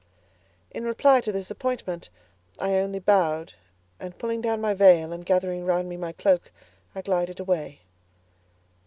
In reply to this appointment, I only bowed; and pulling down my veil, and gathering round me my cloak, I glided away.